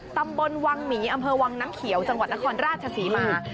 ตำบลวังหมีอำเภอวังน้ำเขียวจังหวัดนครราชศรีมา